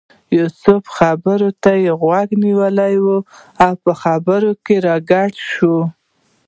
د یوسف خبرو ته یې غوږ نیولی و او په خبرو کې راګډ شو.